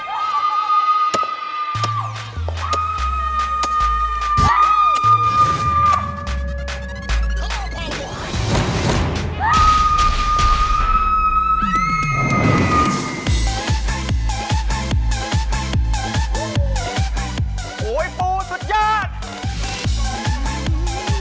โอ๊ยสุดยอดเลยปูสุดยอดเลย